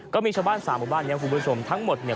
ก็มีชาวบ้าน๓หมู่บ้านนี้คุณผู้ชมทั้งหมดเนี่ย